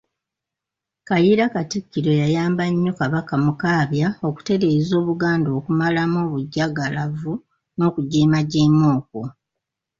Kayiira Katikkiro yayamba nnyo Kabaka Mukaabya okutereeza Obuganda okumalamu obujagalavu n'okujeemajeema okwo.